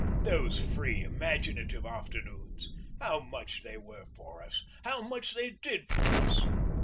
Those free imaginative afternoons! how much they were for us! how much they did for us!